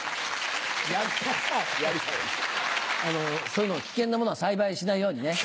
そういうの危険なものは栽培しないようにね。